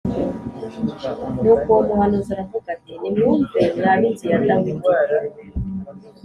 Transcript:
Nuko uwo muhanuzi aravuga ati nimwumve mwa b inzu ya Dawidi